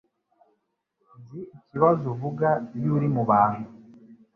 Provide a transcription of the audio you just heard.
Nzi ikibazo uvuga iyo uri mu bantu